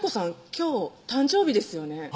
今日誕生日ですよね」